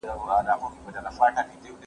موږ به په ګډه دا باغ د آفتونو څخه وساتو.